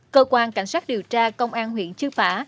cơ quan cảnh sát điều tra công an huyện chư phả